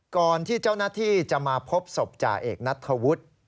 ก่อนที่เจ้าหน้าที่จะมาพบศพจ่าเอกนัทธวุฒิ